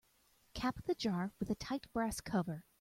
Cap the jar with a tight brass cover.